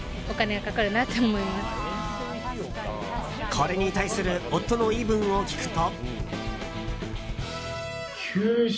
これに対する夫の言い分を聞くと。